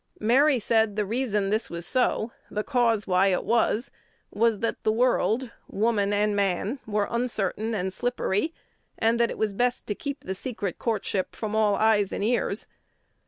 Mary said the reason this was so, the cause why it was, was that the world, woman and man, were uncertain and slippery, and that it was best to keep the secret courtship from all eyes and ears.